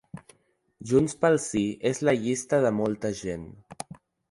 Junts pel Sí és la llista de molta gent.